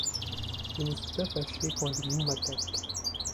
Je ne suis pas fâché quand des lions m'attaquent ;